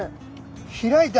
開いた。